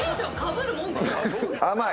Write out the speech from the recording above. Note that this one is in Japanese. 甘い。